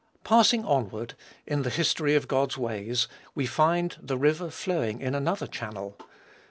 Passing onward, in the history of God's ways, we find the river flowing in another channel.